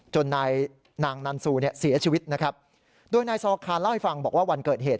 นายนางนันซูเนี่ยเสียชีวิตนะครับโดยนายซอคารเล่าให้ฟังบอกว่าวันเกิดเหตุ